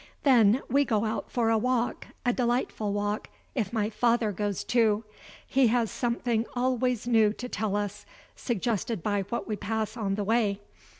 Then we go out for a walk a delightful walk, if my father goes too. He has something always new to tell us, suggested by what we pass on the way.